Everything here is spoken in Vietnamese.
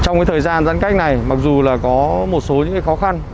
trong thời gian giãn cách này mặc dù có một số khó khăn